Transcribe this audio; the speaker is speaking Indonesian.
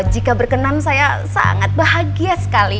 jika berkenan saya sangat bahagia sekali